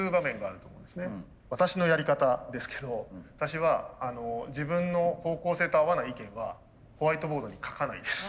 私のやり方ですけど私は自分の方向性と合わない意見はホワイトボードに書かないです。